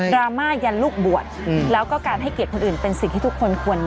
ราม่ายันลูกบวชแล้วก็การให้เกียรติคนอื่นเป็นสิ่งที่ทุกคนควรมี